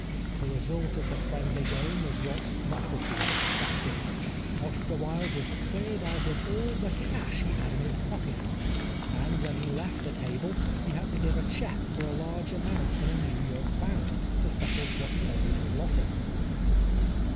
The result of the friendly game was what might have been expected. Oscar Wilde was cleared out of all the cash he had in his pocket, and when he left the table he had to give a cheque for a large amount on a New York bank to settle what he owed as losses.